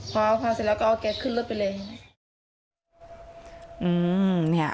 พอพาเสร็จแล้วก็เอาแก๊สขึ้นรถไปเลย